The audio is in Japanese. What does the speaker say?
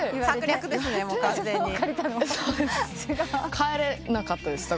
帰れなかったですだから。